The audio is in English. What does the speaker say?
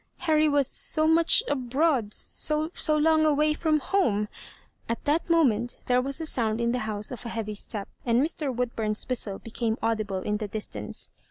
*1 Harry was^nao much abroad — so long away from home—" At that moment there was a sound in the house of a heavy step, and Mr. Woodburn's whistle became audible in the distance.